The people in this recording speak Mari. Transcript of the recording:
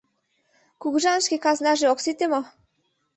Кугыжан шке казнаже ок сите мо?